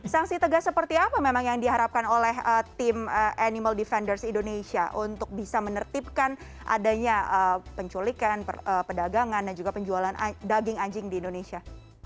sanksi tegas seperti apa memang yang diharapkan oleh tim animal defenders indonesia untuk bisa menertibkan adanya penculikan pedagangan dan juga penjualan daging anjing di indonesia